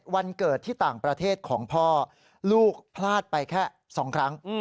วันเกิดที่ต่างประเทศของพ่อลูกพลาดไปแค่๒ครั้ง